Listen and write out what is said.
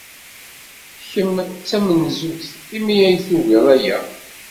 Kemm d tamenzugt imi ay tugiḍ aya.